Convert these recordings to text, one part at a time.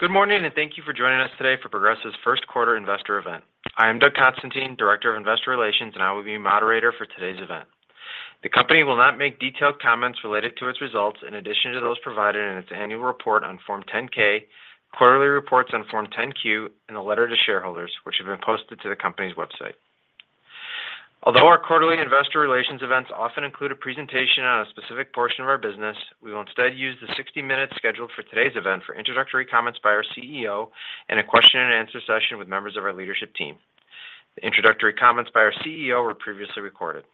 Good morning and thank you for joining us today for Progressive's first quarter investor event. I am Doug Constantine, Director of Investor Relations, and I will be your moderator for today's event. The company will not make detailed comments related to its results in addition to those provided in its annual report on Form 10-K, quarterly reports on Form 10-Q, and a letter to shareholders, which have been posted to the company's website. Although our quarterly investor relations events often include a presentation on a specific portion of our business, we will instead use the 60 minutes scheduled for today's event for introductory comments by our CEO and a question-and-answer session with members of our leadership team. The introductory comments by our CEO were previously recorded.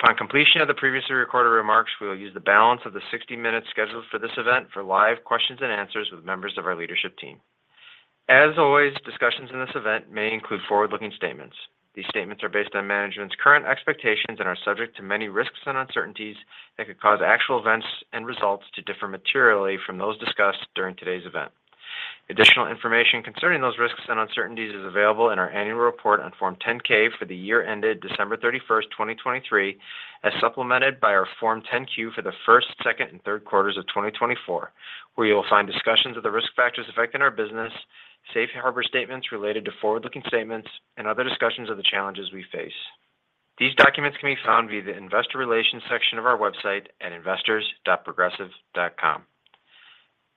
Upon completion of the previously recorded remarks, we will use the balance of the 60 minutes scheduled for this event for live questions and answers with members of our leadership team. As always, discussions in this event may include forward-looking statements. These statements are based on management's current expectations and are subject to many risks and uncertainties that could cause actual events and results to differ materially from those discussed during today's event. Additional information concerning those risks and uncertainties is available in our annual report on Form 10-K for the year ended December 31st, 2023, as supplemented by our Form 10-Q for the first, second, and third quarters of 2024, where you will find discussions of the risk factors affecting our business, safe harbor statements related to forward-looking statements, and other discussions of the challenges we face. These documents can be found via the investor relations section of our website at investors.progressive.com.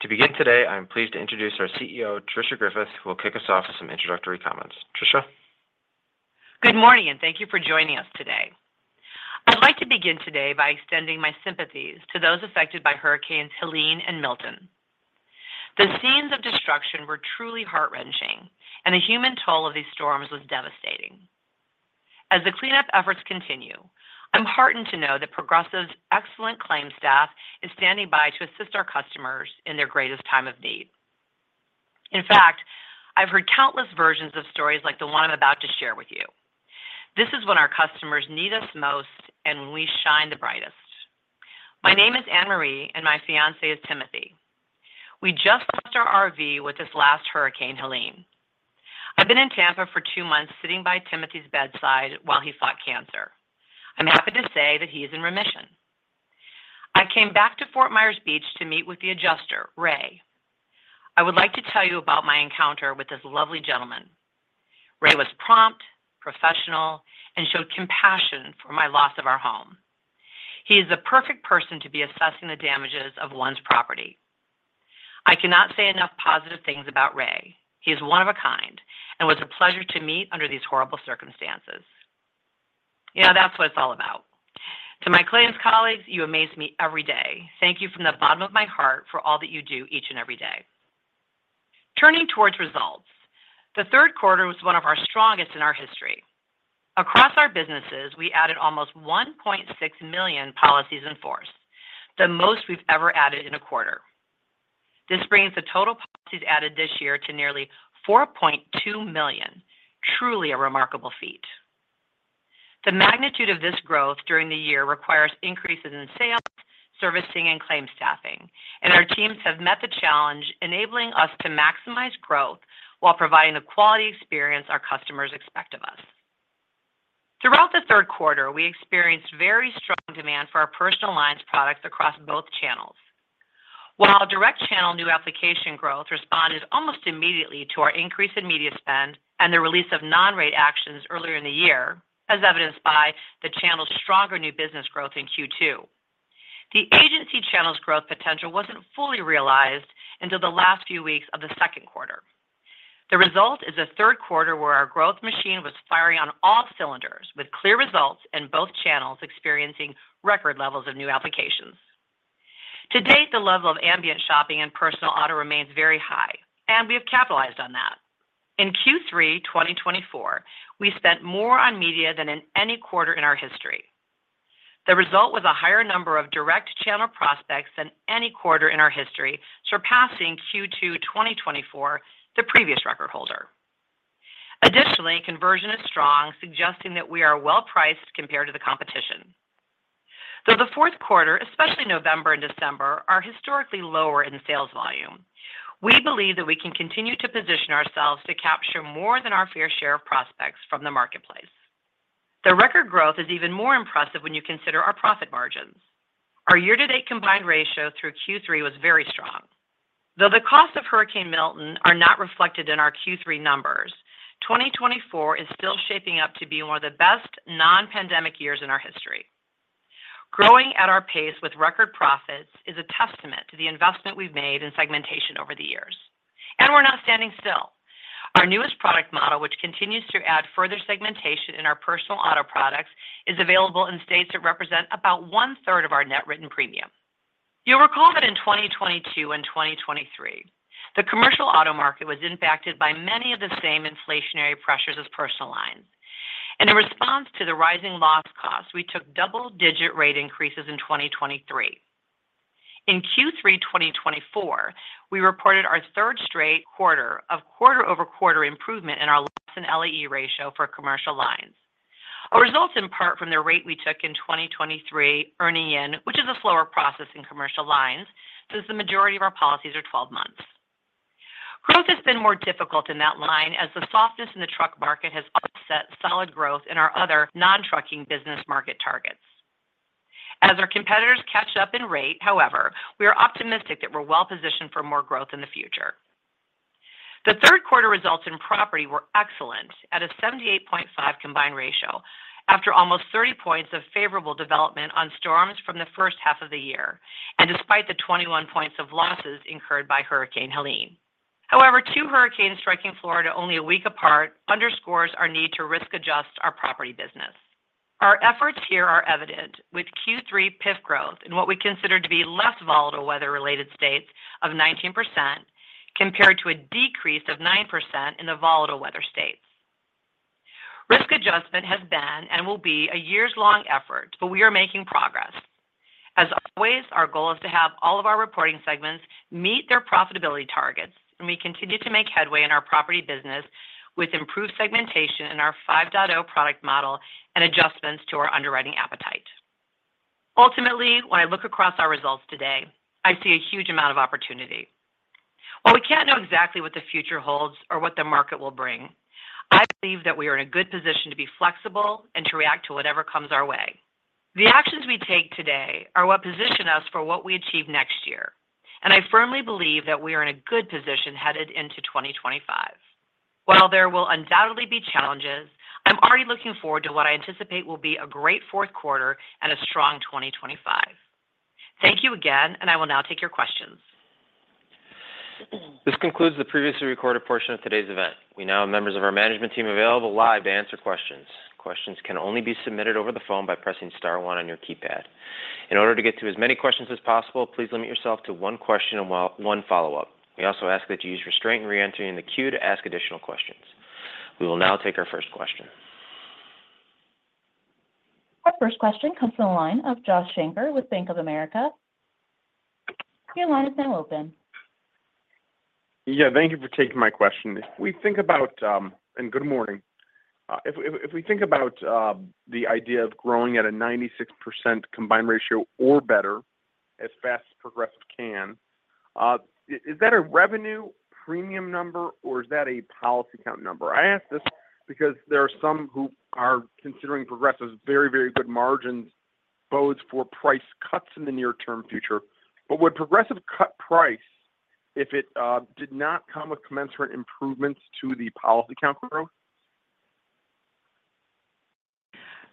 To begin today, I'm pleased to introduce our CEO, Tricia Griffith, who will kick us off with some introductory comments. Tricia. Good morning and thank you for joining us today. I'd like to begin today by extending my sympathies to those affected by Hurricanes Helene and Milton. The scenes of destruction were truly heart-wrenching, and the human toll of these storms was devastating. As the cleanup efforts continue, I'm heartened to know that Progressive's excellent claims staff is standing by to assist our customers in their greatest time of need. In fact, I've heard countless versions of stories like the one I'm about to share with you. This is when our customers need us most and when we shine the brightest. My name is Anne Marie, and my fiancé is Timothy. We just left our RV with this last Hurricane, Helene. I've been in Tampa for two months sitting by Timothy's bedside while he fought cancer. I'm happy to say that he is in remission. I came back to Fort Myers Beach to meet with the adjuster, Ray. I would like to tell you about my encounter with this lovely gentleman. Ray was prompt, professional, and showed compassion for my loss of our home. He is the perfect person to be assessing the damages of one's property. I cannot say enough positive things about Ray. He is one of a kind and was a pleasure to meet under these horrible circumstances. Yeah, that's what it's all about. To my claims colleagues, you amaze me every day. Thank you from the bottom of my heart for all that you do each and every day. Turning towards results, the third quarter was one of our strongest in our history. Across our businesses, we added almost 1.6 million policies in force, the most we've ever added in a quarter. This brings the total policies added this year to nearly 4.2 million. Truly a remarkable feat. The magnitude of this growth during the year requires increases in sales, servicing, and claims staffing, and our teams have met the challenge enabling us to maximize growth while providing the quality experience our customers expect of us. Throughout the third quarter, we experienced very strong demand for our Personal Lines products across both channels. While direct channel new application growth responded almost immediately to our increase in media spend and the release of non-rate actions earlier in the year, as evidenced by the channel's stronger new business growth in Q2, the agency channel's growth potential wasn't fully realized until the last few weeks of the second quarter. The result is a third quarter where our growth machine was firing on all cylinders with clear results and both channels experiencing record levels of new applications. To date, the level of ambient shopping and personal auto remains very high, and we have capitalized on that. In Q3 2024, we spent more on media than in any quarter in our history. The result was a higher number of direct channel prospects than any quarter in our history, surpassing Q2 2024, the previous record holder. Additionally, conversion is strong, suggesting that we are well priced compared to the competition. Though the fourth quarter, especially November and December, are historically lower in sales volume, we believe that we can continue to position ourselves to capture more than our fair share of prospects from the marketplace. The record growth is even more impressive when you consider our profit margins. Our year-to-date combined ratio through Q3 was very strong. Though the cost of Hurricane Milton are not reflected in our Q3 numbers, 2024 is still shaping up to be one of the best non-pandemic years in our history. Growing at our pace with record profits is a testament to the investment we've made in segmentation over the years, and we're not standing still. Our newest product model, which continues to add further segmentation in our personal auto products, is available in states that represent about one-third of our net written premium. You'll recall that in 2022 and 2023, the commercial auto market was impacted by many of the same inflationary pressures as Personal Lines. In response to the rising loss costs, we took double-digit rate increases in 2023. In Q3 2024, we reported our third straight quarter of quarter-over-quarter improvement in our loss and LAE ratio for commercial lines. Our results in part from the rate we took in 2023 earning in, which is a slower process in commercial lines since the majority of our policies are 12 months. Growth has been more difficult in that line as the softness in the truck market has offset solid growth in our other non-trucking business market targets. As our competitors catch up in rate, however, we are optimistic that we're well positioned for more growth in the future. The third quarter results in property were excellent at a 78.5 combined ratio after almost 30 points of favorable development on storms from the first half of the year, and despite the 21 points of losses incurred by Hurricane Helene. However, two hurricanes striking Florida only a week apart underscores our need to risk-adjust our property business. Our efforts here are evident with Q3 PIF growth in what we consider to be less volatile weather-related states of 19% compared to a decrease of 9% in the volatile weather states. Risk adjustment has been and will be a years-long effort, but we are making progress. As always, our goal is to have all of our reporting segments meet their profitability targets, and we continue to make headway in our property business with improved segmentation in our 5.0 product model and adjustments to our underwriting appetite. Ultimately, when I look across our results today, I see a huge amount of opportunity. While we can't know exactly what the future holds or what the market will bring, I believe that we are in a good position to be flexible and to react to whatever comes our way. The actions we take today are what position us for what we achieve next year, and I firmly believe that we are in a good position headed into 2025. While there will undoubtedly be challenges, I'm already looking forward to what I anticipate will be a great fourth quarter and a strong 2025. Thank you again, and I will now take your questions. This concludes the previously recorded portion of today's event. We now have members of our management team available live to answer questions. Questions can only be submitted over the phone by pressing star one on your keypad. In order to get to as many questions as possible, please limit yourself to one question and one follow-up. We also ask that you use restraint in re-entering the queue to ask additional questions. We will now take our first question. Our first question comes from the line of Josh Shanker with Bank of America. Your line is now open. Yeah, thank you for taking my question. And good morning. If we think about the idea of growing at a 96% combined ratio or better as fast as Progressive can, is that a revenue premium number or is that a policy count number? I ask this because there are some who are considering Progressive's very, very good margins both for price cuts in the near-term future. But would Progressive cut price if it did not come with commensurate improvements to the policy count growth?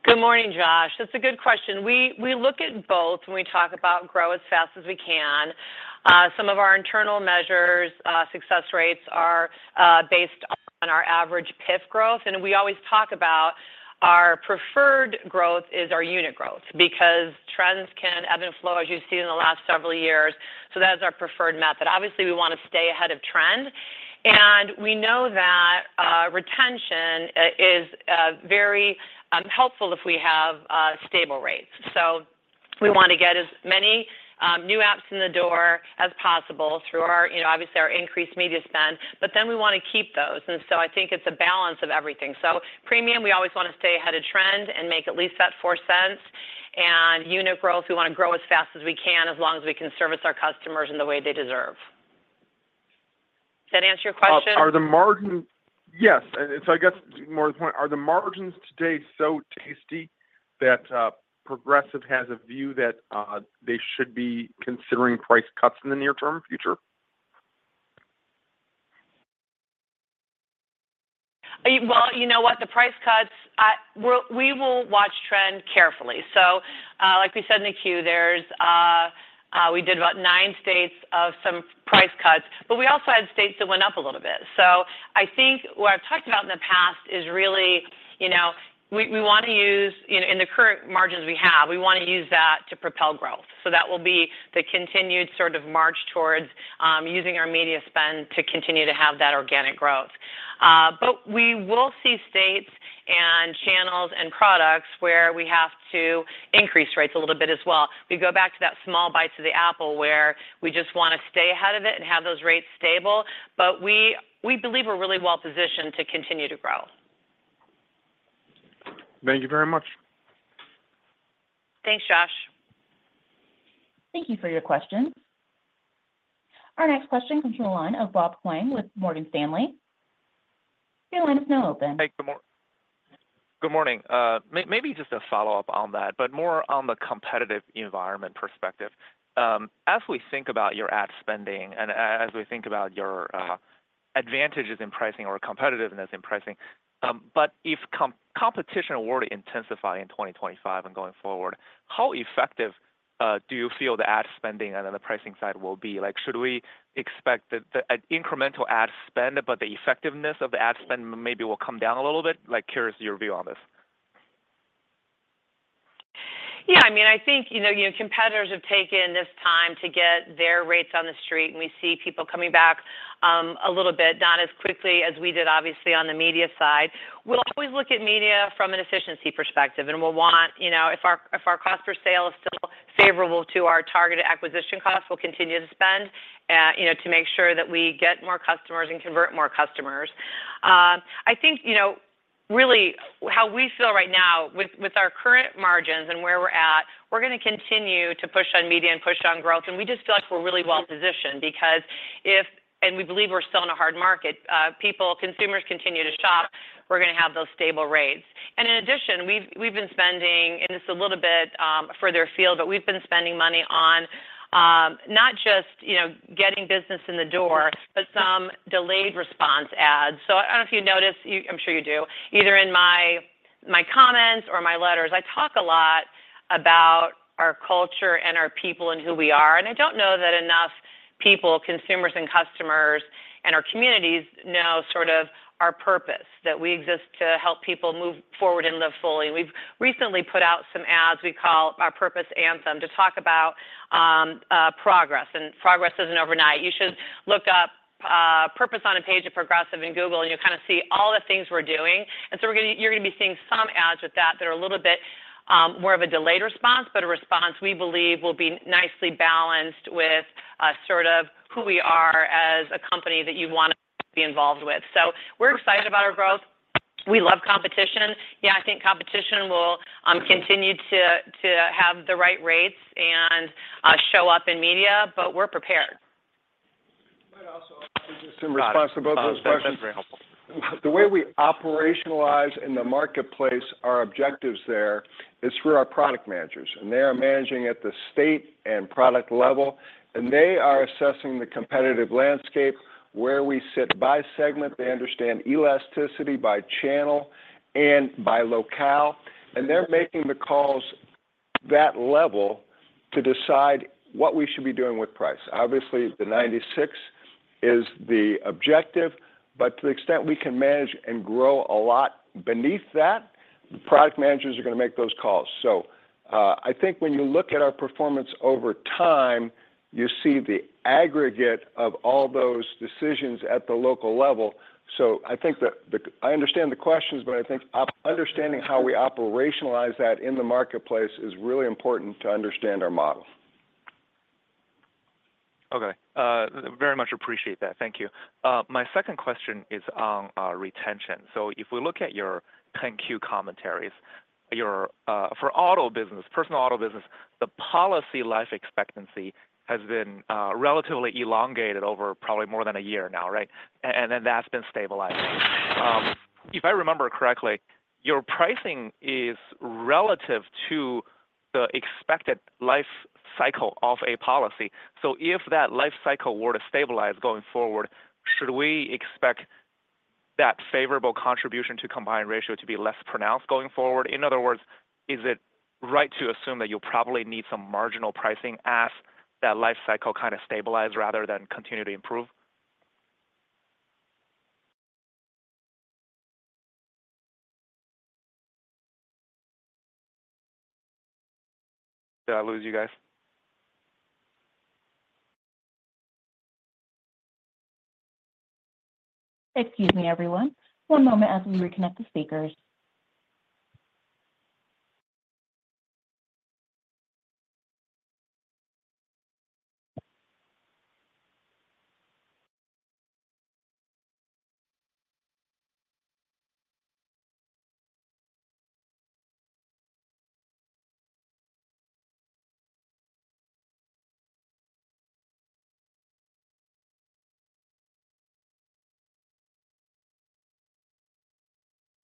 Good morning, Josh. That's a good question. We look at both when we talk about grow as fast as we can. Some of our internal measures, success rates are based on our average PIF growth, and we always talk about our preferred growth is our unit growth because trends can ebb and flow as you've seen in the last several years. So that is our preferred method. Obviously, we want to stay ahead of trend, and we know that retention is very helpful if we have stable rates. So we want to get as many new apps in the door as possible through our, obviously, our increased media spend, but then we want to keep those. And so I think it's a balance of everything. So premium, we always want to stay ahead of trend and make at least that $0.04. Unit growth, we want to grow as fast as we can as long as we can service our customers in the way they deserve. Does that answer your question? Are the margins? Yes, and so I guess more to the point, are the margins today so tasty that Progressive has a view that they should be considering price cuts in the near-term future? You know what? The price cuts, we will watch trend carefully. So like we said in the quarter, we did about nine states of some price cuts, but we also had states that went up a little bit. So I think what I've talked about in the past is really we want to use in the current margins we have, we want to use that to propel growth. So that will be the continued sort of march towards using our media spend to continue to have that organic growth. But we will see states and channels and products where we have to increase rates a little bit as well. We go back to that small bite to the apple where we just want to stay ahead of it and have those rates stable, but we believe we're really well positioned to continue to grow. Thank you very much. Thanks, Josh. Thank you for your questions. Our next question comes from the line of Bob Huang with Morgan Stanley. Your line is now open. Hey, good morning. Good morning. Maybe just a follow-up on that, but more on the competitive environment perspective. As we think about your ad spending and as we think about your advantages in pricing or competitiveness in pricing, but if competition were to intensify in 2025 and going forward, how effective do you feel the ad spending and then the pricing side will be? Should we expect the incremental ad spend, but the effectiveness of the ad spend maybe will come down a little bit? Curious your view on this. Yeah, I mean, I think competitors have taken this time to get their rates on the street, and we see people coming back a little bit, not as quickly as we did, obviously, on the media side. We'll always look at media from an efficiency perspective, and we'll want, if our cost per sale is still favorable to our targeted acquisition cost, we'll continue to spend to make sure that we get more customers and convert more customers. I think really how we feel right now with our current margins and where we're at, we're going to continue to push on media and push on growth, and we just feel like we're really well positioned because if, and we believe we're still in a hard market, people, consumers continue to shop, we're going to have those stable rates. In addition, we've been spending, and this is a little bit for their field, but we've been spending money on not just getting business in the door, but some delayed response ads. So I don't know if you notice, I'm sure you do, either in my comments or my letters, I talk a lot about our culture and our people and who we are, and I don't know that enough people, consumers and customers and our communities know sort of our purpose, that we exist to help people move forward and live fully. We've recently put out some ads we call our Purpose Anthem to talk about progress, and progress isn't overnight. You should look up Purpose on a Page of Progressive in Google, and you'll kind of see all the things we're doing. And so you're going to be seeing some ads with that that are a little bit more of a delayed response, but a response we believe will be nicely balanced with sort of who we are as a company that you want to be involved with. So we're excited about our growth. We love competition. Yeah, I think competition will continue to have the right rates and show up in media, but we're prepared. I'd also like to just respond to both those questions. The way we operationalize in the marketplace, our objectives there is through our product managers, and they are managing at the state and product level, and they are assessing the competitive landscape where we sit by segment. They understand elasticity by channel and by locale, and they're making the calls at that level to decide what we should be doing with price. Obviously, the 96 is the objective, but to the extent we can manage and grow a lot beneath that, product managers are going to make those calls. So I think when you look at our performance over time, you see the aggregate of all those decisions at the local level. So I think that I understand the questions, but I think understanding how we operationalize that in the marketplace is really important to understand our model. Okay. Very much appreciate that. Thank you. My second question is on retention. So if we look at your 10-Q commentaries, for auto business, personal auto business, the policy life expectancy has been relatively elongated over probably more than a year now, right? And then that's been stabilizing. If I remember correctly, your pricing is relative to the expected life cycle of a policy. So if that life cycle were to stabilize going forward, should we expect that favorable contribution to combined ratio to be less pronounced going forward? In other words, is it right to assume that you'll probably need some marginal pricing as that life cycle kind of stabilizes rather than continue to improve? Did I lose you guys? Excuse me, everyone. One moment as we reconnect the speakers.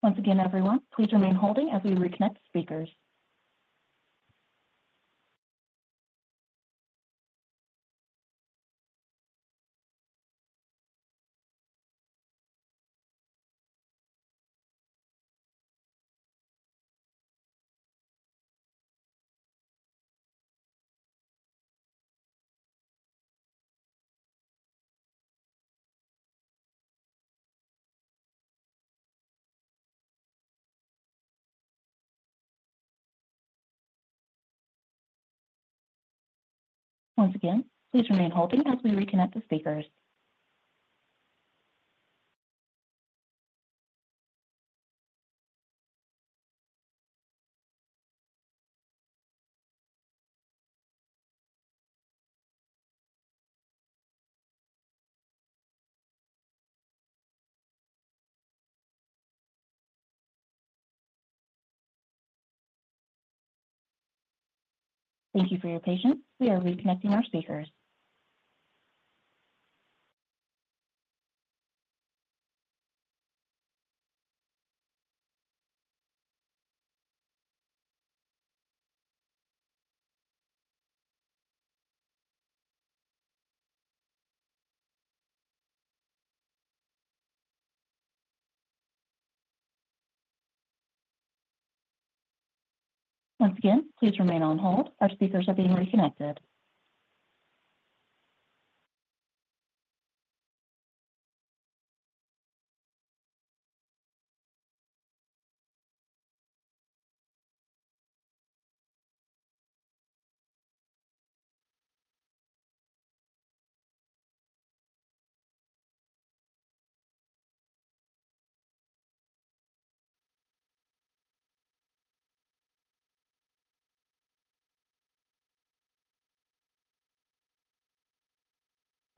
Once again, everyone, please remain holding as we reconnect speakers. Once again, please remain holding as we reconnect the speakers. Thank you for your patience. We are reconnecting our speakers. Once again, please remain on hold. Our speakers are being reconnected.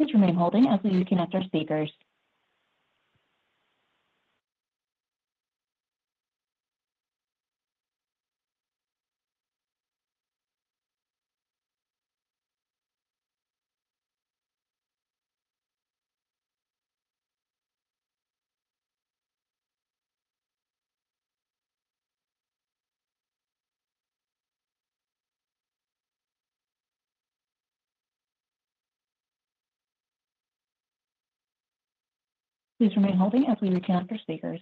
Please remain holding as we reconnect our speakers. Please remain holding as we reconnect our speakers.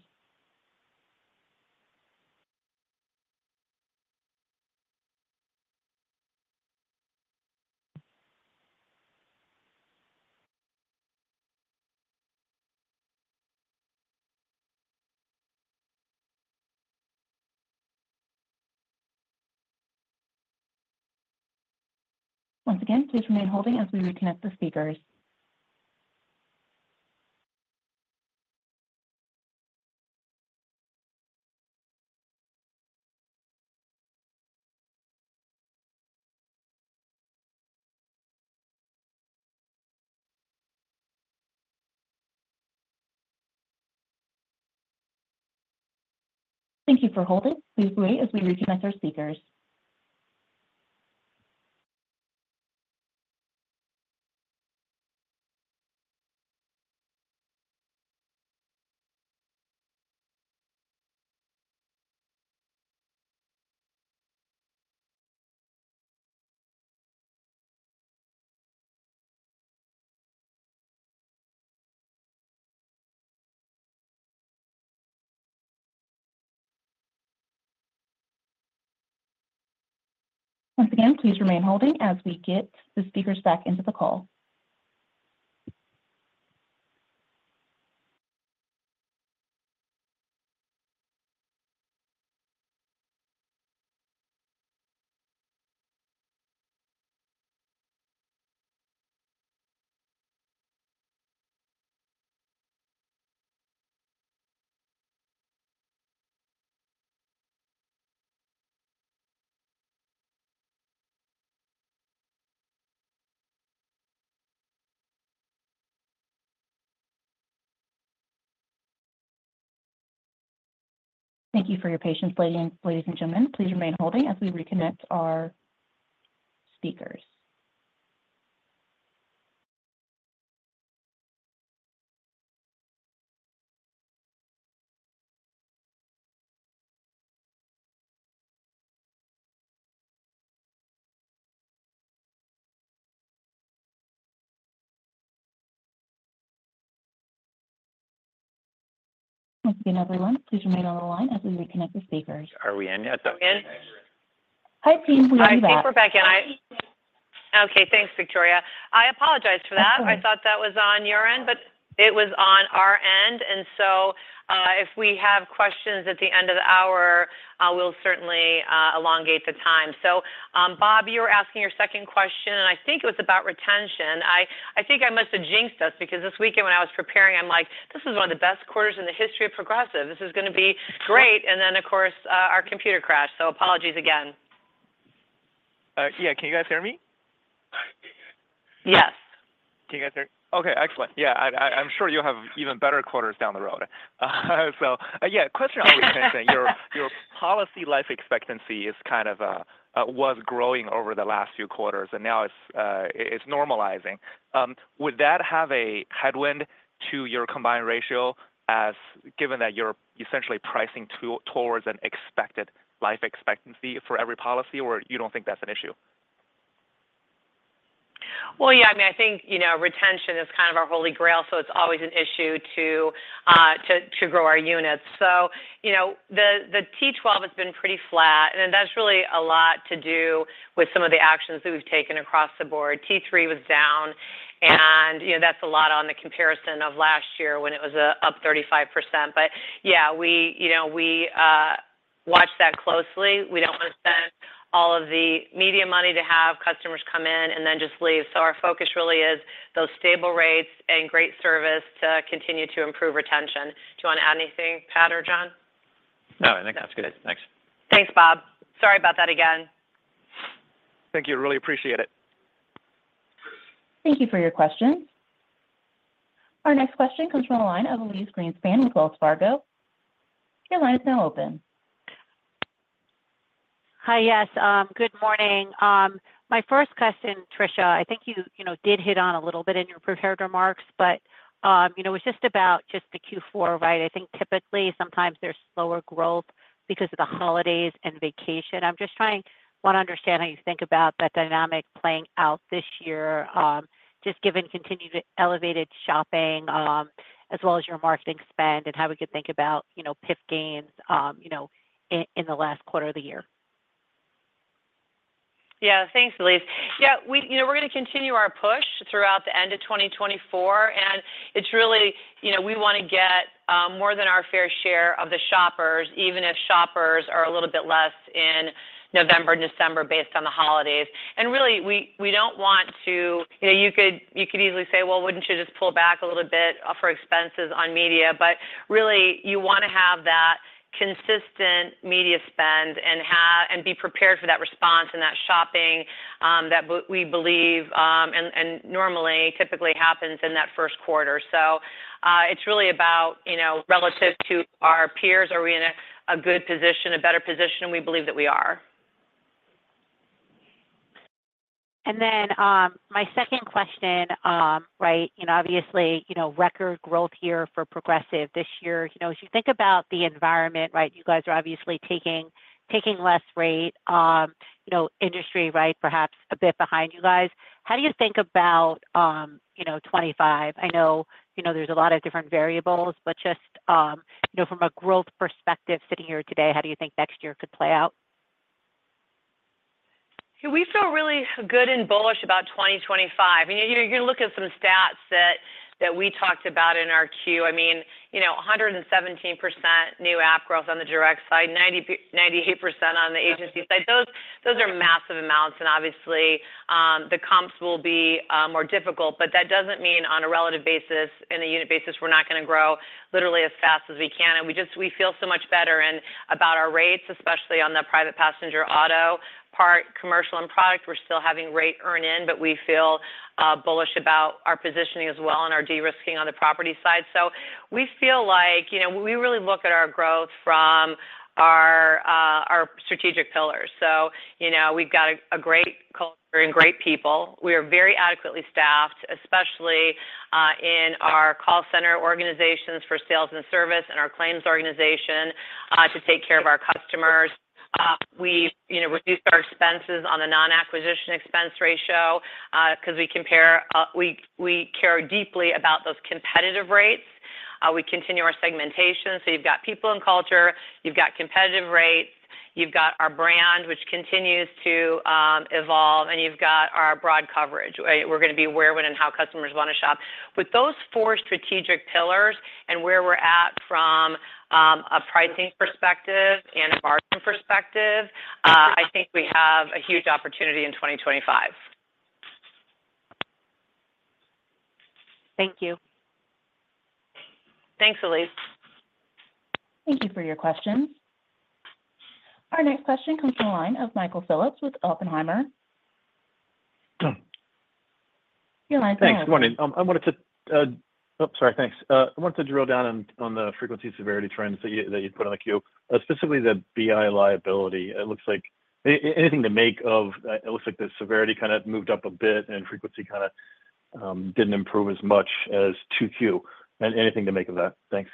Once again, please remain holding as we reconnect the speakers. Thank you for holding. Please wait as we reconnect our speakers. Once again, please remain holding as we get the speakers back into the call. Thank you for your patience, ladies and gentlemen. Please remain holding as we reconnect our speakers. Once again, everyone, please remain on the line as we reconnect the speakers. Are we in yet? Are we in? Hi team, we are back. I think we're back in. Okay, thanks, Victoria. I apologize for that. I thought that was on your end, but it was on our end. And so if we have questions at the end of the hour, we'll certainly elongate the time. So Bob, you were asking your second question, and I think it was about retention. I think I must have jinxed us because this weekend when I was preparing, I'm like, "This is one of the best quarters in the history of Progressive. This is going to be great." And then, of course, our computer crashed, so apologies again. Yeah, can you guys hear me? Yes. Can you guys hear? Okay, excellent. Yeah, I'm sure you'll have even better quarters down the road. So yeah, question on retention. Your policy life expectancy is kind of was growing over the last few quarters, and now it's normalizing. Would that have a headwind to your combined ratio as given that you're essentially pricing towards an expected life expectancy for every policy, or you don't think that's an issue? Well, yeah, I mean, I think retention is kind of our holy grail, so it's always an issue to grow our units. So the T12 has been pretty flat, and that's really a lot to do with some of the actions that we've taken across the board. T3 was down, and that's a lot on the comparison of last year when it was up 35%. But yeah, we watch that closely. We don't want to spend all of the media money to have customers come in and then just leave. So our focus really is those stable rates and great service to continue to improve retention. Do you want to add anything, Pat or John? No, I think that's good. Thanks. Thanks, Bob. Sorry about that again. Thank you. Really appreciate it. Thank you for your questions. Our next question comes from a line of Elyse Greenspan with Wells Fargo. Your line is now open. Hi, yes. Good morning. My first question, Tricia, I think you did hit on a little bit in your prepared remarks, but it was just about the Q4, right? I think typically sometimes there's slower growth because of the holidays and vacation. I'm just trying to understand how you think about that dynamic playing out this year, just given continued elevated shopping as well as your marketing spend and how we could think about PIF gains in the last quarter of the year? Yeah, thanks, Elise. Yeah, we're going to continue our push throughout the end of 2024, and it's really we want to get more than our fair share of the shoppers, even if shoppers are a little bit less in November and December based on the holidays. And really, we don't want to. You could easily say, "Well, wouldn't you just pull back a little bit for expenses on media?" But really, you want to have that consistent media spend and be prepared for that response and that shopping that we believe and normally typically happens in that first quarter. So it's really about relative to our peers, are we in a good position, a better position, and we believe that we are. And then my second question, right? Obviously, record growth year for Progressive this year. As you think about the environment, right, you guys are obviously taking less rate. Industry, right, perhaps a bit behind you guys. How do you think about 2025? I know there's a lot of different variables, but just from a growth perspective sitting here today, how do you think next year could play out? We feel really good and bullish about 2025. You can look at some stats that we talked about in our Q. I mean, 117% new app growth on the direct side, 98% on the agency side. Those are massive amounts, and obviously, the comps will be more difficult, but that doesn't mean on a relative basis, in a unit basis, we're not going to grow literally as fast as we can. And we feel so much better about our rates, especially on the private passenger auto part, commercial and product. We're still having rate earn-in, but we feel bullish about our positioning as well and our de-risking on the property side. So we feel like we really look at our growth from our strategic pillars. So we've got a great culture and great people. We are very adequately staffed, especially in our call center organizations for sales and service and our claims organization to take care of our customers. We reduced our expenses on the non-acquisition expense ratio because we care deeply about those competitive rates. We continue our segmentation. So you've got people and culture, you've got competitive rates, you've got our brand, which continues to evolve, and you've got our broad coverage. We're going to be where and how customers want to shop. With those four strategic pillars and where we're at from a pricing perspective and a marketing perspective, I think we have a huge opportunity in 2025. Thank you. Thanks, Elise. Thank you for your questions. Our next question comes from a line of Michael Phillips with Oppenheimer. Your line's now up. Hey, good morning. I wanted to—oh, sorry, thanks. I wanted to drill down on the frequency severity trend that you put on the queue, specifically the BI liability. It looks like anything to make of it looks like the severity kind of moved up a bit and frequency kind of didn't improve as much as to queue. Anything to make of that? Thanks.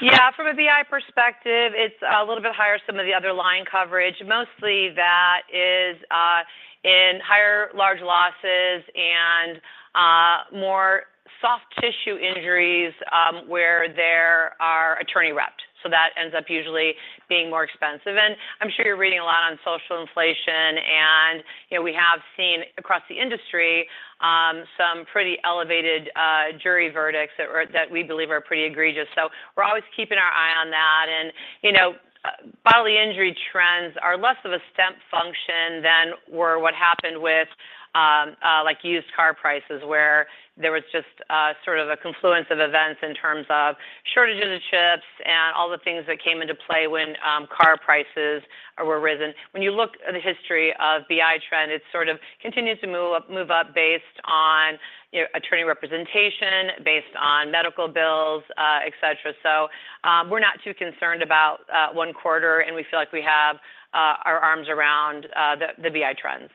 Yeah, from a BI perspective, it's a little bit higher than some of the other line coverage. Mostly that is in higher large losses and more soft tissue injuries where there are attorney reps. So that ends up usually being more expensive. And I'm sure you're reading a lot on social inflation, and we have seen across the industry some pretty elevated jury verdicts that we believe are pretty egregious. So we're always keeping our eye on that. And bodily injury trends are less of a step function than what happened with used car prices, where there was just sort of a confluence of events in terms of shortages of chips and all the things that came into play when car prices were risen. When you look at the history of BI trend, it sort of continues to move up based on attorney representation, based on medical bills, etc. So we're not too concerned about one quarter, and we feel like we have our arms around the BI trends.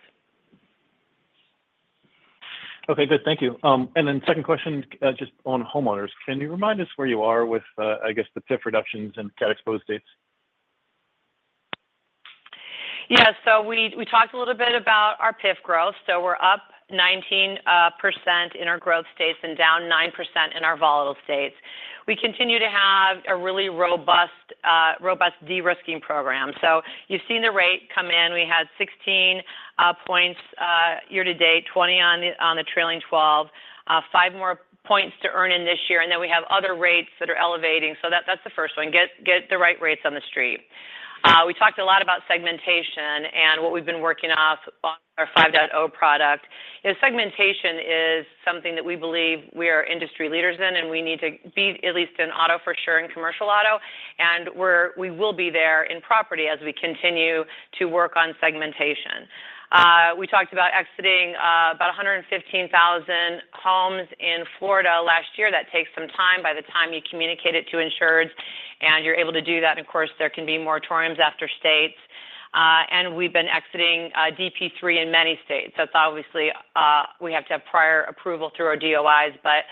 Okay, good. Thank you. And then second question, just on homeowners. Can you remind us where you are with, I guess, the PIF reductions and cat exposed states? Yeah, so we talked a little bit about our PIF growth. So we're up 19% in our growth states and down 9% in our volatile states. We continue to have a really robust de-risking program. So you've seen the rate come in. We had 16 points year to date, 20 on the trailing 12, five more points to earn in this year, and then we have other rates that are elevating. So that's the first one. Get the right rates on the street. We talked a lot about segmentation and what we've been working off on our 5.0 product. Segmentation is something that we believe we are industry leaders in, and we need to be at least in auto for sure and commercial auto, and we will be there in property as we continue to work on segmentation. We talked about exiting about 115,000 homes in Florida last year. That takes some time by the time you communicate it to insureds, and you're able to do that. And of course, there can be moratoriums after states. And we've been exiting DP3 in many states. That's obviously we have to have prior approval through our DOIs, but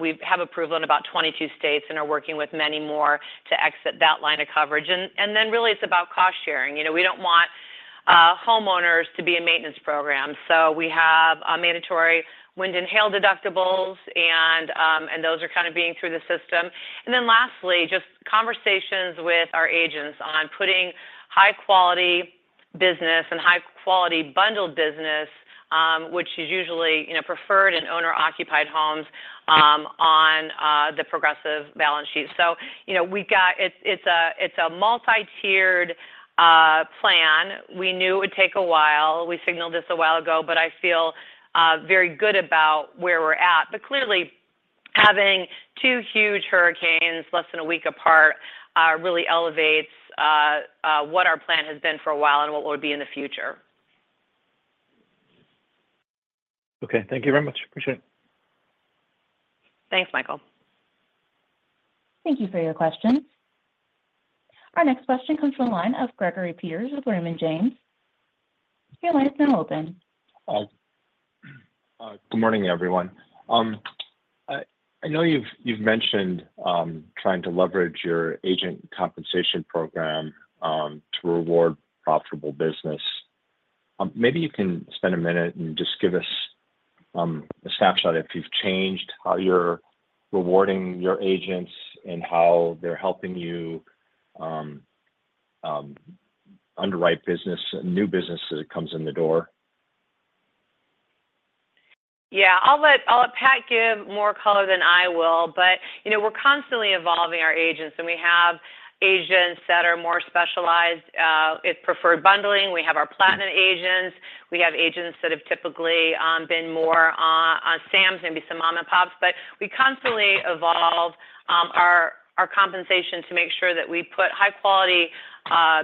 we have approval in about 22 states and are working with many more to exit that line of coverage. And then really, it's about cost sharing. We don't want homeowners to be in maintenance programs. So we have mandatory wind and hail deductibles, and those are kind of being through the system. And then lastly, just conversations with our agents on putting high-quality business and high-quality bundled business, which is usually preferred in owner-occupied homes, on the Progressive balance sheet. So it's a multi-tiered plan. We knew it would take a while. We signaled this a while ago, but I feel very good about where we're at, but clearly, having two huge hurricanes less than a week apart really elevates what our plan has been for a while and what will be in the future. Okay, thank you very much. Appreciate it. Thanks, Michael. Thank you for your questions. Our next question comes from a line of Gregory Peters with Raymond James. Your line is now open. Good morning, everyone. I know you've mentioned trying to leverage your agent compensation program to reward profitable business. Maybe you can spend a minute and just give us a snapshot if you've changed how you're rewarding your agents and how they're helping you underwrite new business as it comes in the door. Yeah, I'll let Pat give more color than I will, but we're constantly evolving our agents, and we have agents that are more specialized. It's preferred bundling. We have our Platinum agents. We have agents that have typically been more on SAMs, maybe some mom-and-pops, but we constantly evolve our compensation to make sure that we put high-quality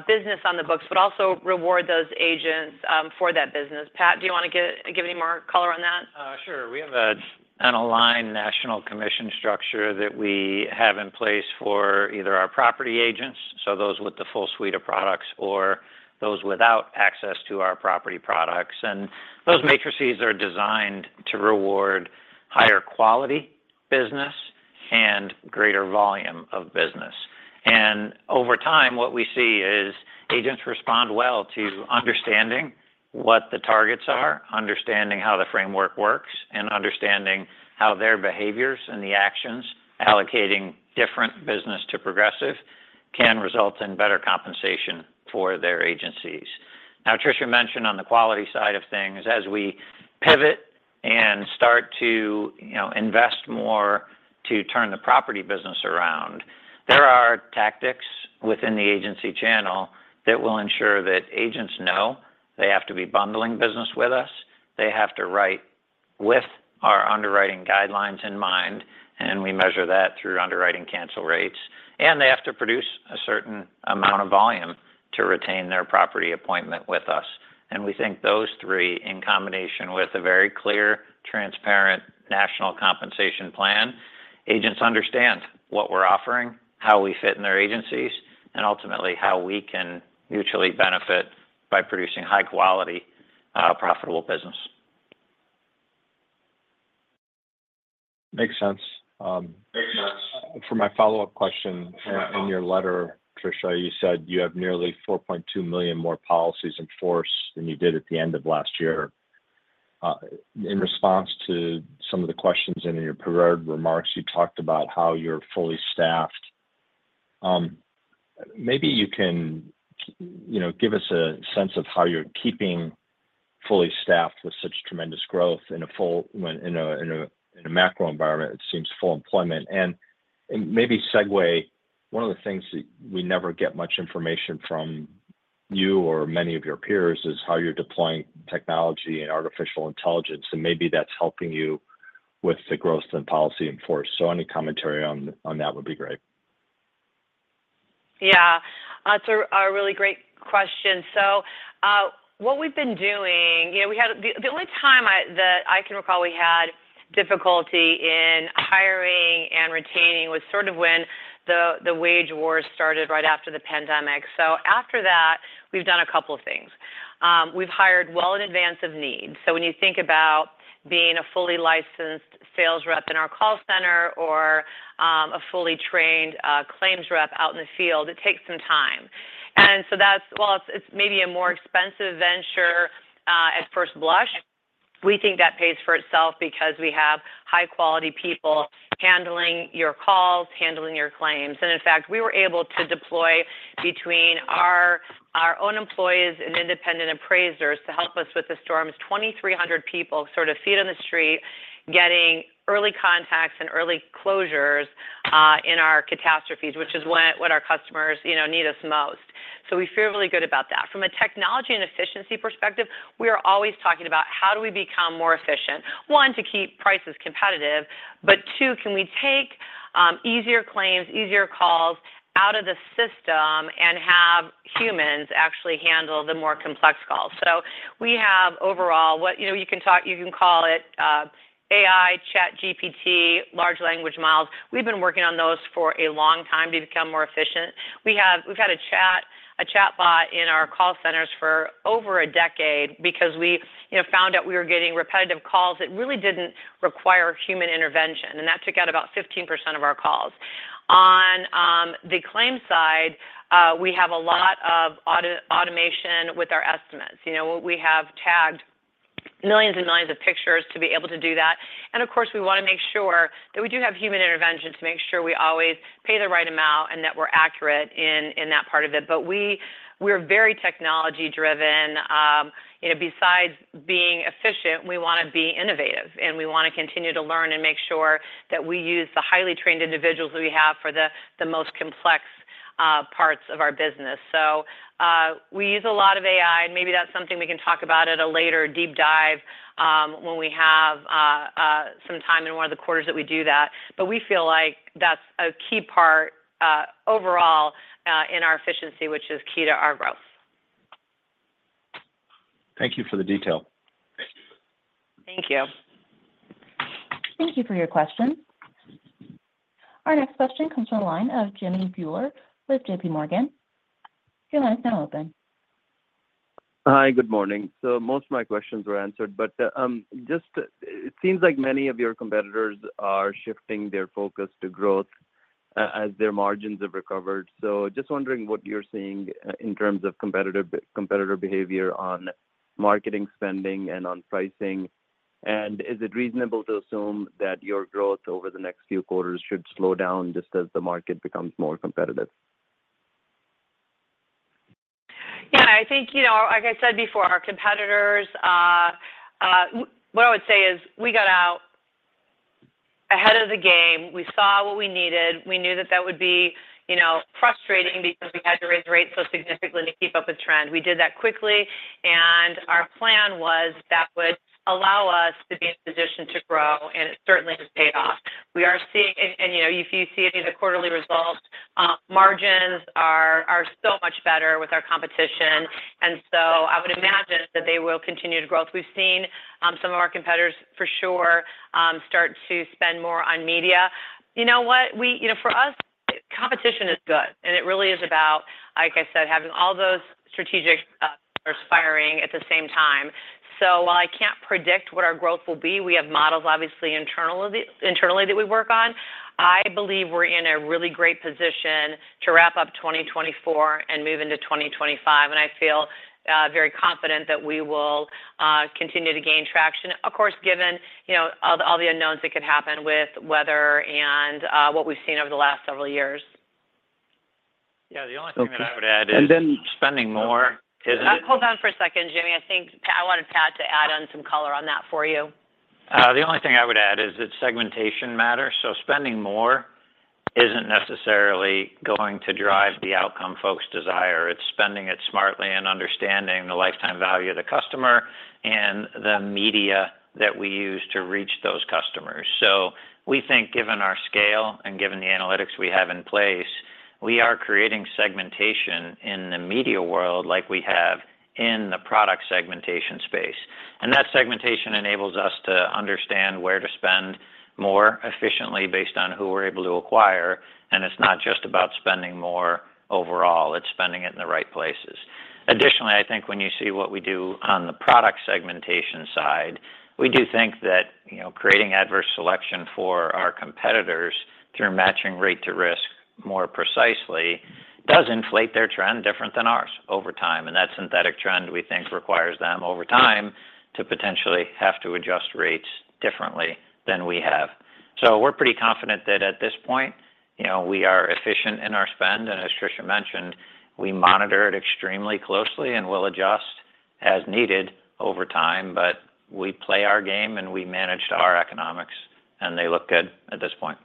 business on the books, but also reward those agents for that business. Pat, do you want to give any more color on that? Sure. We have an online national commission structure that we have in place for either our property agents, so those with the full suite of products, or those without access to our property products. Those matrices are designed to reward higher quality business and greater volume of business. Over time, what we see is agents respond well to understanding what the targets are, understanding how the framework works, and understanding how their behaviors and the actions allocating different business to Progressive can result in better compensation for their agencies. Now, Tricia mentioned on the quality side of things, as we pivot and start to invest more to turn the property business around, there are tactics within the agency channel that will ensure that agents know they have to be bundling business with us, they have to write with our underwriting guidelines in mind, and we measure that through underwriting cancel rates, and they have to produce a certain amount of volume to retain their property appointment with us, and we think those three, in combination with a very clear, transparent national compensation plan, agents understand what we're offering, how we fit in their agencies, and ultimately how we can mutually benefit by producing high-quality, profitable business. Makes sense. Makes sense. For my follow-up question, in your letter, Tricia, you said you have nearly 4.2 million more policies in force than you did at the end of last year. In response to some of the questions and in your prepared remarks, you talked about how you're fully staffed. Maybe you can give us a sense of how you're keeping fully staffed with such tremendous growth in a macro environment that seems full employment. And maybe segue, one of the things that we never get much information from you or many of your peers is how you're deploying technology and artificial intelligence, and maybe that's helping you with the growth and policy in force. So any commentary on that would be great. Yeah, that's a really great question. So what we've been doing, the only time that I can recall we had difficulty in hiring and retaining was sort of when the wage wars started right after the pandemic. So after that, we've done a couple of things. We've hired well in advance of need. So when you think about being a fully licensed sales rep in our call center or a fully trained claims rep out in the field, it takes some time. And so while it's maybe a more expensive venture at first blush, we think that pays for itself because we have high-quality people handling your calls, handling your claims. And in fact, we were able to deploy between our own employees and independent appraisers to help us with the storms, 2,300 people sort of feet on the street, getting early contacts and early closures in our catastrophes, which is what our customers need us most. So we feel really good about that. From a technology and efficiency perspective, we are always talking about how do we become more efficient? One, to keep prices competitive, but two, can we take easier claims, easier calls out of the system and have humans actually handle the more complex calls? So we have overall, you can call it AI, ChatGPT, large language models. We've been working on those for a long time to become more efficient. We've had a chatbot in our call centers for over a decade because we found out we were getting repetitive calls that really didn't require human intervention, and that took out about 15% of our calls. On the claim side, we have a lot of automation with our estimates. We have tagged millions and millions of pictures to be able to do that. And of course, we want to make sure that we do have human intervention to make sure we always pay the right amount and that we're accurate in that part of it. But we're very technology-driven. Besides being efficient, we want to be innovative, and we want to continue to learn and make sure that we use the highly trained individuals that we have for the most complex parts of our business. So we use a lot of AI, and maybe that's something we can talk about at a later deep dive when we have some time in one of the quarters that we do that. But we feel like that's a key part overall in our efficiency, which is key to our growth. Thank you for the detail. Thank you. Thank you for your question. Our next question comes from a line of Jimmy Bhullar with J.P. Morgan. Your line is now open. Hi, good morning. So most of my questions were answered, but it seems like many of your competitors are shifting their focus to growth as their margins have recovered. So just wondering what you're seeing in terms of competitor behavior on marketing spending and on pricing, and is it reasonable to assume that your growth over the next few quarters should slow down just as the market becomes more competitive? Yeah, I think, like I said before, our competitors, what I would say is we got out ahead of the game. We saw what we needed. We knew that that would be frustrating because we had to raise rates so significantly to keep up with trend. We did that quickly, and our plan was that would allow us to be in a position to grow, and it certainly has paid off. And if you see any of the quarterly results, margins are so much better with our competition. And so I would imagine that they will continue to grow. We've seen some of our competitors, for sure, start to spend more on media. You know what? For us, competition is good, and it really is about, like I said, having all those strategic players firing at the same time. So while I can't predict what our growth will be, we have models, obviously, internally that we work on. I believe we're in a really great position to wrap up 2024 and move into 2025, and I feel very confident that we will continue to gain traction, of course, given all the unknowns that could happen with weather and what we've seen over the last several years. Yeah, the only thing that I would add is. And then spending more, isn't it? Hold on for a second, Jimmy. I think I wanted Pat to add on some color on that for you. The only thing I would add is, it's a segmentation matter, so spending more isn't necessarily going to drive the outcome folks desire. It's spending it smartly and understanding the lifetime value of the customer and the media that we use to reach those customers, so we think, given our scale and given the analytics we have in place, we are creating segmentation in the media world like we have in the product segmentation space, and that segmentation enables us to understand where to spend more efficiently based on who we're able to acquire, and it's not just about spending more overall. It's spending it in the right places. Additionally, I think when you see what we do on the product segmentation side, we do think that creating adverse selection for our competitors through matching rate to risk more precisely does inflate their trend different than ours over time. And that synthetic trend, we think, requires them over time to potentially have to adjust rates differently than we have. So we're pretty confident that at this point, we are efficient in our spend. And as Tricia mentioned, we monitor it extremely closely and will adjust as needed over time, but we play our game and we managed our economics, and they look good at this point.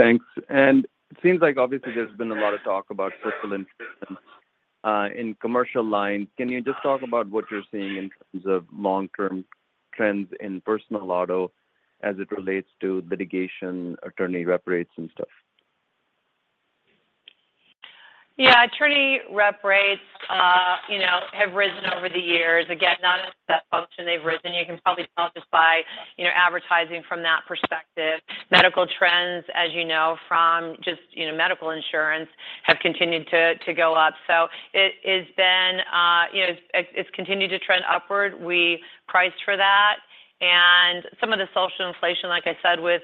Thanks. And it seems like, obviously, there's been a lot of talk about personal insurance in commercial lines. Can you just talk about what you're seeing in terms of long-term trends in personal auto as it relates to litigation, attorney rep rates, and stuff? Yeah, attorney rep rates have risen over the years. Again, not as a function they've risen. You can probably tell just by advertising from that perspective. Medical trends, as you know, from just medical insurance have continued to go up. So it's continued to trend upward. We price for that. And some of the social inflation, like I said, with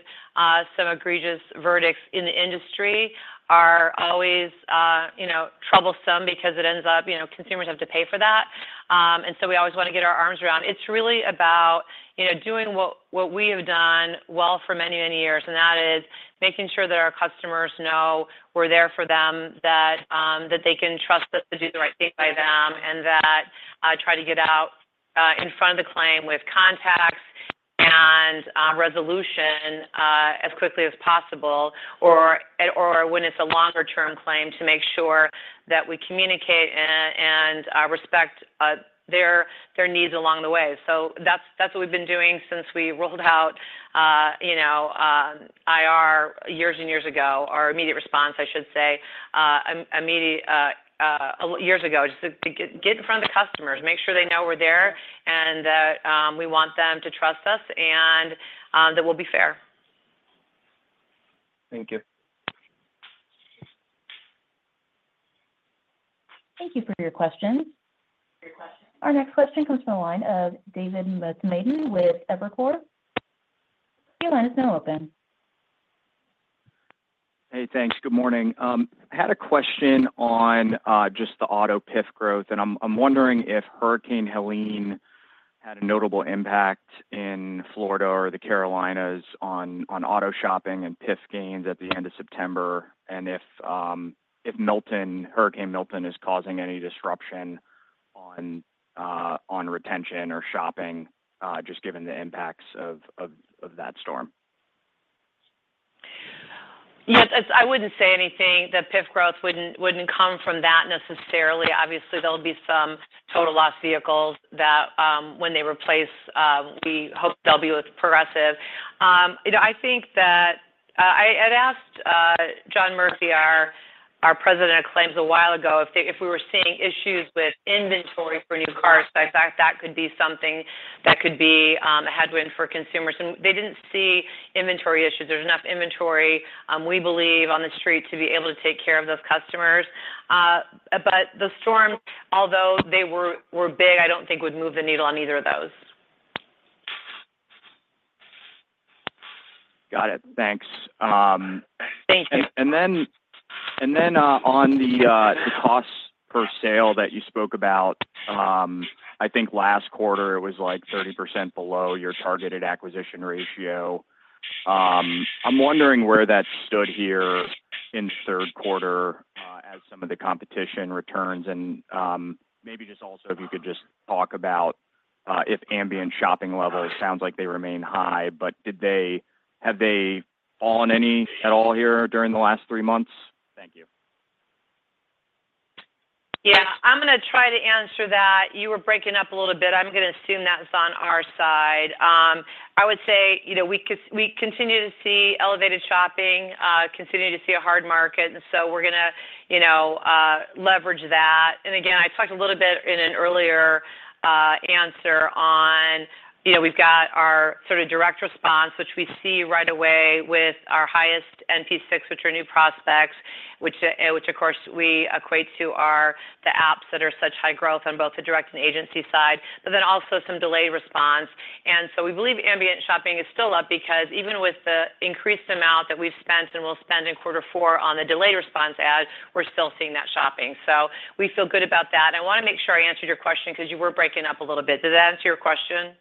some egregious verdicts in the industry are always troublesome because it ends up consumers have to pay for that. And so we always want to get our arms around. It's really about doing what we have done well for many, many years, and that is making sure that our customers know we're there for them, that they can trust us to do the right thing by them, and that try to get out in front of the claim with contacts and resolution as quickly as possible, or when it's a longer-term claim, to make sure that we communicate and respect their needs along the way. So that's what we've been doing since we rolled out IR years and years ago, or Immediate Response, I should say, years ago, just to get in front of the customers, make sure they know we're there and that we want them to trust us and that we'll be fair. Thank you. Thank you for your questions. Our next question comes from a line of David Motemaden with Evercore ISI. Your line is now open. Hey, thanks. Good morning. I had a question on just the auto PIF growth, and I'm wondering if Hurricane Helene had a notable impact in Florida or the Carolinas on auto shopping and PIF gains at the end of September, and if Hurricane Milton is causing any disruption on retention or shopping, just given the impacts of that storm? Yes, I wouldn't say anything. The PIF growth wouldn't come from that necessarily. Obviously, there'll be some total loss vehicles that when they replace, we hope they'll be with Progressive. I think that I had asked John Murphy, our President of Claims, a while ago if we were seeing issues with inventory for new cars. In fact, that could be something that could be a headwind for consumers, and they didn't see inventory issues. There's enough inventory, we believe, on the street to be able to take care of those customers, but the storm, although they were big, I don't think would move the needle on either of those. Got it. Thanks. Thank you. And then on the cost per sale that you spoke about, I think last quarter it was like 30% below your targeted acquisition ratio. I'm wondering where that stood here in third quarter as some of the competition returns. And maybe just also if you could just talk about if ambient shopping levels sounds like they remain high, but have they fallen any at all here during the last three months? Thank you. Yeah, I'm going to try to answer that. You were breaking up a little bit. I'm going to assume that's on our side. I would say we continue to see elevated shopping, continue to see a hard market, and so we're going to leverage that. And again, I talked a little bit in an earlier answer on we've got our sort of direct response, which we see right away with our highest NPs, which are new prospects, which of course we equate to the apps that are such high growth on both the direct and agency side, but then also some delayed response. And so we believe ambient shopping is still up because even with the increased amount that we've spent and will spend in quarter four on the delayed response ad, we're still seeing that shopping. So we feel good about that. I want to make sure I answered your question because you were breaking up a little bit. Did that answer your question?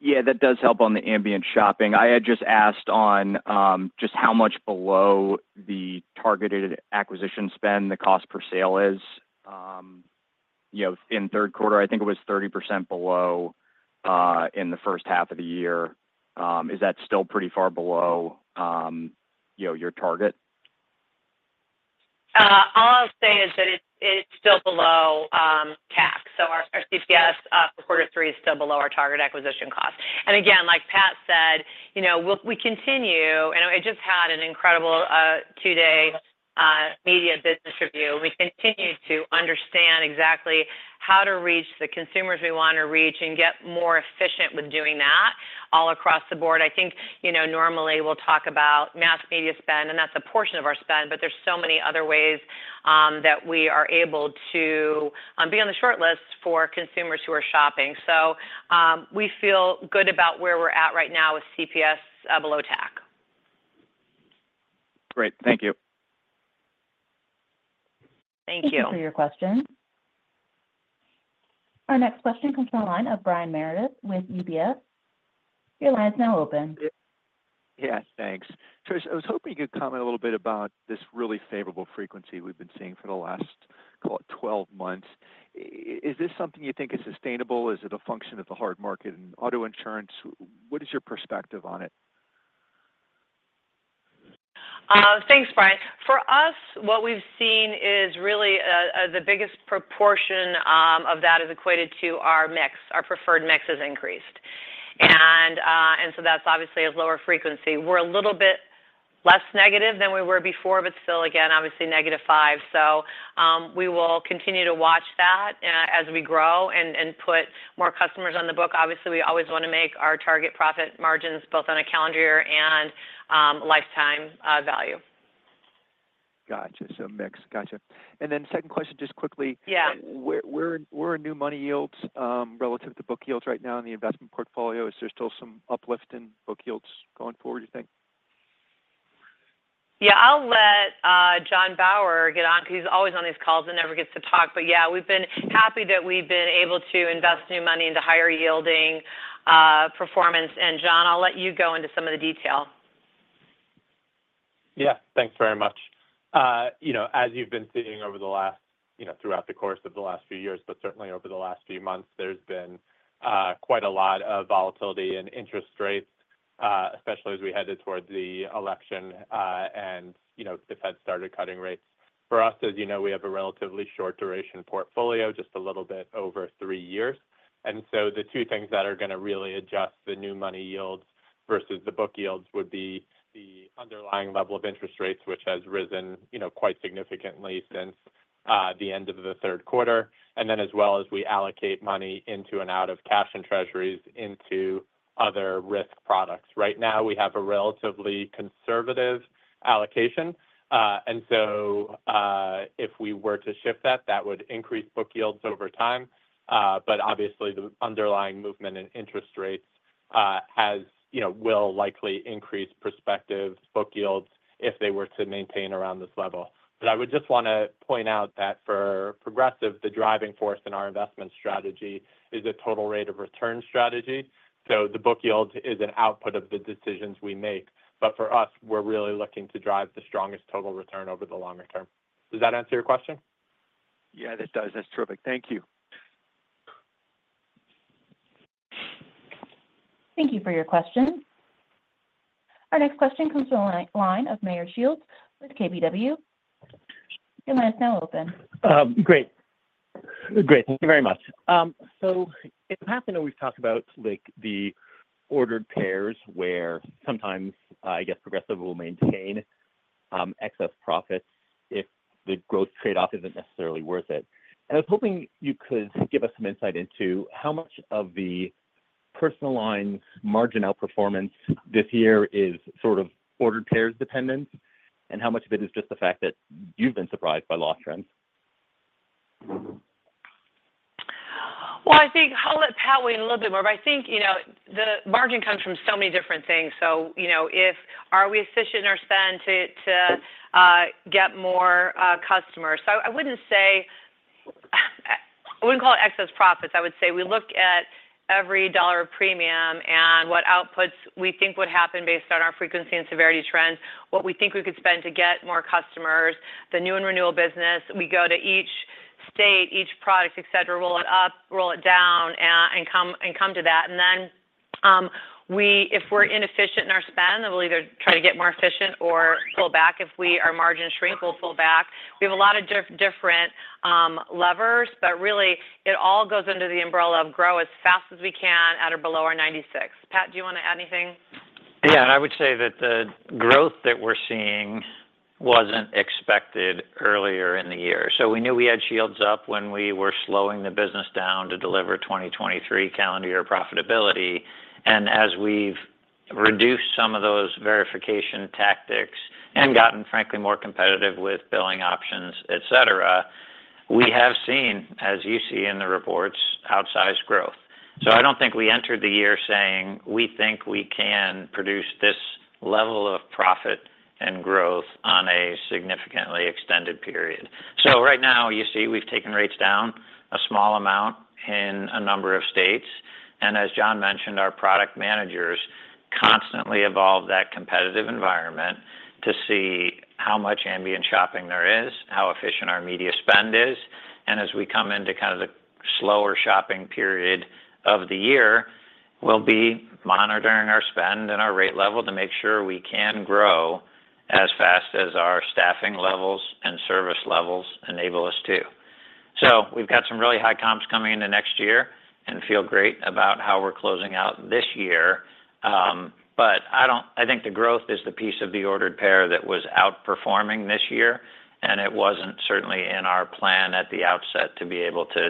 Yeah, that does help on the ambient shopping. I had just asked on just how much below the targeted acquisition spend the cost per sale is in third quarter. I think it was 30% below in the first half of the year. Is that still pretty far below your target? All I'll say is that it's still below CAC. So our CPS for quarter three is still below our target acquisition cost. And again, like Pat said, we continue and I just had an incredible two-day media business review. We continue to understand exactly how to reach the consumers we want to reach and get more efficient with doing that all across the board. I think normally we'll talk about mass media spend, and that's a portion of our spend, but there's so many other ways that we are able to be on the shortlist for consumers who are shopping. So we feel good about where we're at right now with CPS below CAC. Great. Thank you. Thank you. Thank you for your question. Our next question comes from a line of Brian Meredith with UBS. Your line is now open. Yes, thanks. Trish, I was hoping you could comment a little bit about this really favorable frequency we've been seeing for the last, call it, 12 months. Is this something you think is sustainable? Is it a function of the hard market and auto insurance? What is your perspective on it? Thanks, Brian. For us, what we've seen is really the biggest proportion of that is equated to our mix. Our preferred mix has increased, and so that's obviously a lower frequency. We're a little bit less negative than we were before, but still, again, obviously negative five, so we will continue to watch that as we grow and put more customers on the book. Obviously, we always want to make our target profit margins both on a calendar year and lifetime value. Gotcha. So next. Gotcha, and then second question, just quickly. Yeah. Where are new money yields relative to book yields right now in the investment portfolio? Is there still some uplift in book yields going forward, do you think? Yeah, I'll let John Bauer get on because he's always on these calls and never gets to talk. But yeah, we've been happy that we've been able to invest new money into higher yielding performance. And John, I'll let you go into some of the detail. Yeah, thanks very much. As you've been seeing throughout the course of the last few years, but certainly over the last few months, there's been quite a lot of volatility in interest rates, especially as we headed toward the election and the Fed started cutting rates. For us, as you know, we have a relatively short duration portfolio, just a little bit over three years. And so the two things that are going to really adjust the new money yields versus the book yields would be the underlying level of interest rates, which has risen quite significantly since the end of the third quarter, and then as well as we allocate money into and out of cash and treasuries into other risk products. Right now, we have a relatively conservative allocation. And so if we were to shift that, that would increase book yields over time. But obviously, the underlying movement in interest rates will likely increase prospective book yields if they were to maintain around this level. But I would just want to point out that for Progressive, the driving force in our investment strategy is a total rate of return strategy. So the book yield is an output of the decisions we make. But for us, we're really looking to drive the strongest total return over the longer term. Does that answer your question? Yeah, that does. That's terrific. Thank you. Thank you for your question. Our next question comes from a line of Meyer Shields with KBW. Your line is now open. Great. Great. Thank you very much. So in the past, I know we've talked about the ordered pairs where sometimes, I guess, Progressive will maintain excess profits if the growth trade-off isn't necessarily worth it. And I was hoping you could give us some insight into how much of the Personal Lines margin outperformance this year is sort of ordered pair dependence and how much of it is just the fact that you've been surprised by loss trends. I think I'll let Pat weigh in a little bit more. I think the margin comes from so many different things, so are we efficient in our spend to get more customers? I wouldn't say I wouldn't call it excess profits. I would say we look at every dollar of premium and what outputs we think would happen based on our frequency and severity trends, what we think we could spend to get more customers, the new and renewal business. We go to each state, each product, etc., roll it up, roll it down, and come to that, and then if we're inefficient in our spend, then we'll either try to get more efficient or pull back. If our margin shrinks, we'll pull back. We have a lot of different levers, but really, it all goes under the umbrella of grow as fast as we can at or below our 96. Pat, do you want to add anything? Yeah. And I would say that the growth that we're seeing wasn't expected earlier in the year. So we knew we had shields up when we were slowing the business down to deliver 2023 calendar year profitability. And as we've reduced some of those verification tactics and gotten, frankly, more competitive with billing options, etc., we have seen, as you see in the reports, outsized growth. So I don't think we entered the year saying, "We think we can produce this level of profit and growth on a significantly extended period." So right now, you see we've taken rates down a small amount in a number of states. And as John mentioned, our product managers constantly evolve that competitive environment to see how much ambient shopping there is, how efficient our media spend is. As we come into kind of the slower shopping period of the year, we'll be monitoring our spend and our rate level to make sure we can grow as fast as our staffing levels and service levels enable us to. So we've got some really high comps coming into next year and feel great about how we're closing out this year. But I think the growth is the piece of the ordered pair that was outperforming this year, and it wasn't certainly in our plan at the outset to be able to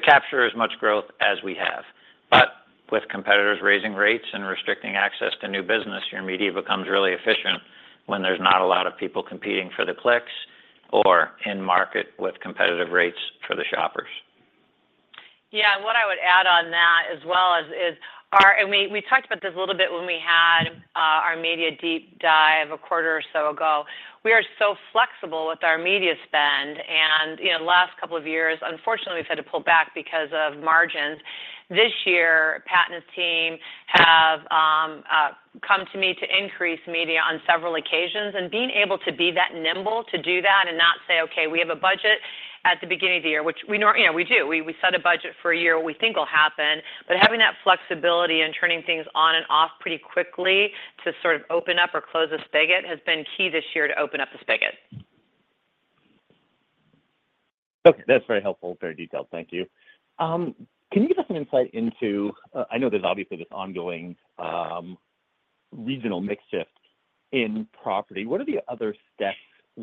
capture as much growth as we have. But with competitors raising rates and restricting access to new business, your media becomes really efficient when there's not a lot of people competing for the clicks or in market with competitive rates for the shoppers. Yeah. And what I would add on that as well is we talked about this a little bit when we had our media deep dive a quarter or so ago. We are so flexible with our media spend. And the last couple of years, unfortunately, we've had to pull back because of margins. This year, Pat and his team have come to me to increase media on several occasions. And being able to be that nimble to do that and not say, "Okay, we have a budget at the beginning of the year," which we do. We set a budget for a year what we think will happen. But having that flexibility and turning things on and off pretty quickly to sort of open up or close a spigot has been key this year to open up the spigot. Okay. That's very helpful. Very detailed. Thank you. Can you give us some insight into, I know, there's obviously this ongoing regional mix shift in property. What are the other steps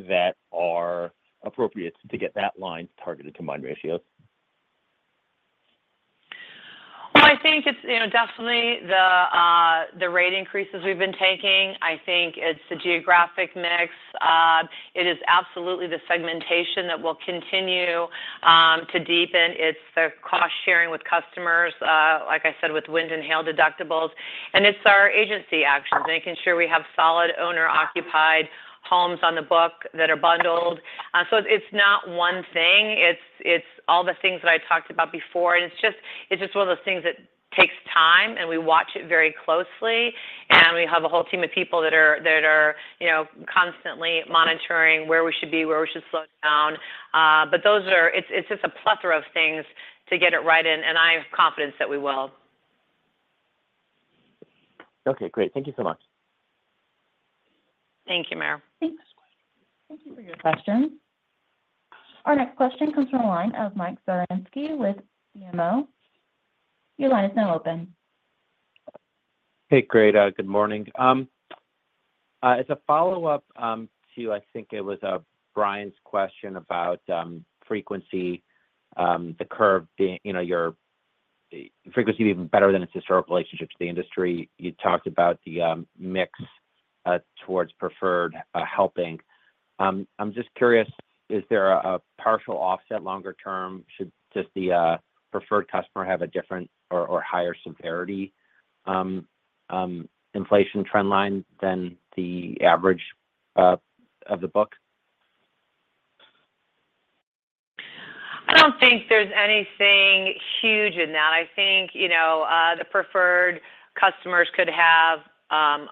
that are appropriate to get that line targeted to mid-90s ratios? I think it's definitely the rate increases we've been taking. I think it's the geographic mix. It is absolutely the segmentation that will continue to deepen. It's the cost sharing with customers, like I said, with wind and hail deductibles. And it's our agency actions, making sure we have solid owner-occupied homes on the book that are bundled. So it's not one thing. It's all the things that I talked about before. And it's just one of those things that takes time, and we watch it very closely. And we have a whole team of people that are constantly monitoring where we should be, where we should slow down. But it's just a plethora of things to get it right. And I have confidence that we will. Okay. Great. Thank you so much. Thank you, Meyer. Thanks for your question. Our next question comes from a line of Mike Zaremski with BMO. Your line is now open. Hey, great. Good morning. As a follow-up to, I think it was Brian's question about frequency, the curve being your frequency being better than its historical relationship to the industry. You talked about the mix towards preferred helping. I'm just curious, is there a partial offset longer term? Should just the preferred customer have a different or higher severity inflation trend line than the average of the book? I don't think there's anything huge in that. I think the preferred customers could have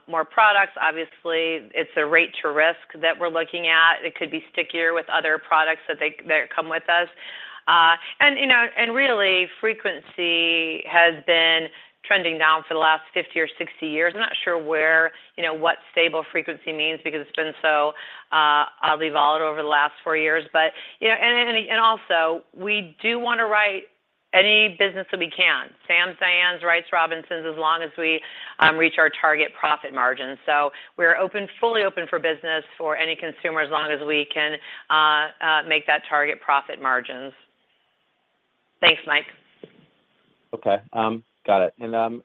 more products. Obviously, it's a rate to risk that we're looking at. It could be stickier with other products that come with us. And really, frequency has been trending down for the last 50 or 60 years. I'm not sure what stable frequency means because it's been so oddly volatile over the last four years. And also, we do want to write any business that we can. Sams, Dianes, Wrights, Robinsons as long as we reach our target profit margin. So we're fully open for business for any consumer as long as we can make that target profit margins. Thanks, Mike. Okay. Got it. And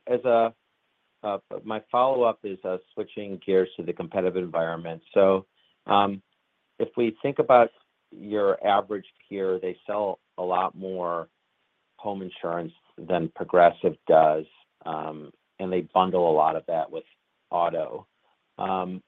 my follow-up is switching gears to the competitive environment. So if we think about your average peer, they sell a lot more home insurance than Progressive does, and they bundle a lot of that with auto. And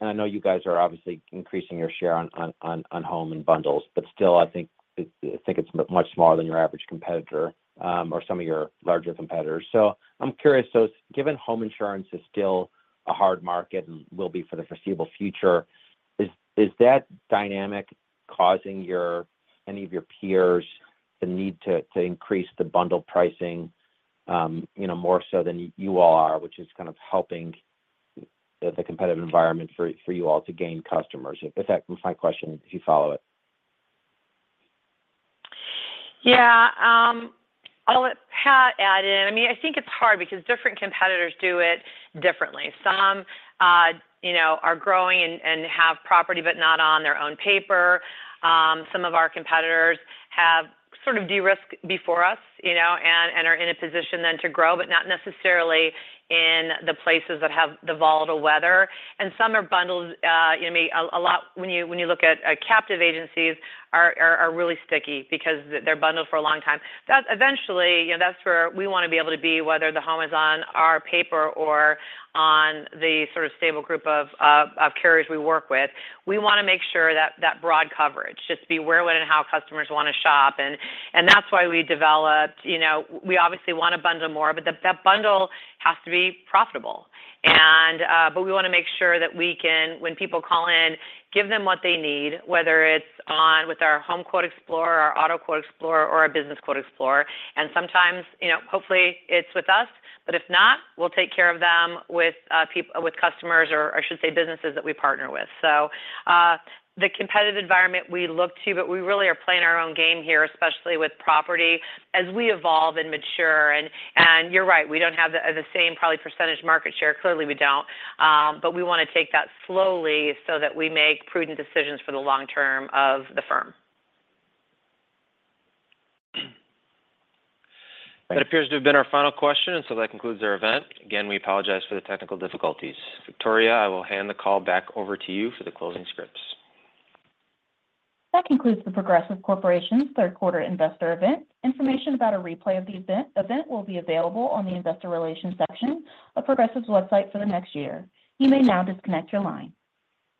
I know you guys are obviously increasing your share on home and bundles, but still, I think it's much smaller than your average competitor or some of your larger competitors. So I'm curious, given home insurance is still a hard market and will be for the foreseeable future, is that dynamic causing any of your peers the need to increase the bundle pricing more so than you all are, which is kind of helping the competitive environment for you all to gain customers? If that was my question, if you follow it. Yeah. I'll let Pat add in. I mean, I think it's hard because different competitors do it differently. Some are growing and have property but not on their own paper. Some of our competitors have sort of de-risked before us and are in a position then to grow, but not necessarily in the places that have the volatile weather, and some are bundled. A lot when you look at captive agencies are really sticky because they're bundled for a long time. Eventually, that's where we want to be able to be, whether the home is on our paper or on the sort of stable group of carriers we work with. We want to make sure that broad coverage, just be where and how customers want to shop, and that's why we developed. We obviously want to bundle more, but that bundle has to be profitable. But we want to make sure that we can, when people call in, give them what they need, whether it's with our HomeQuote Explorer, our AutoQuote Explorer, or our BusinessQuote Explorer. And sometimes, hopefully, it's with us. But if not, we'll take care of them with customers or, I should say, businesses that we partner with. So the competitive environment we look to, but we really are playing our own game here, especially with property, as we evolve and mature. And you're right. We don't have the same probably percentage market share. Clearly, we don't. But we want to take that slowly so that we make prudent decisions for the long term of the firm. That appears to have been our final question, and so that concludes our event. Again, we apologize for the technical difficulties. Victoria, I will hand the call back over to you for the closing scripts. That concludes the Progressive Corporation's third-quarter investor event. Information about a replay of the event will be available on the investor relations section of Progressive's website for the next year. You may now disconnect your line.